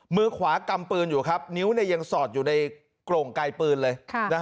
มือขวากำปืนอยู่ครับนิ้วยังสอดอยู่ในโกร่งไกลปืนเลย